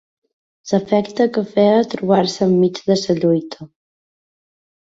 L'efecte que feia trobar-se enmig de la lluita